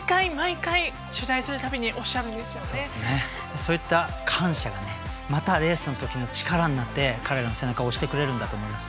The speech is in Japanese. そういった感謝がねまたレースの時の力になって彼らの背中を押してくれるんだと思いますね。